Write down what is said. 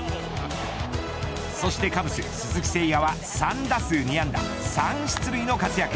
そしてカブス、鈴木誠也は３打数２安打３出塁の活躍。